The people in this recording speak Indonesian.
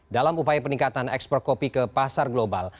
dalam upaya peningkatan ekspor kopi ke pasar global